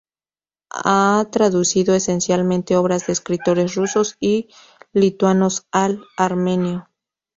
Ha traducido esencialmente obras de escritores rusos y lituanos al armenio.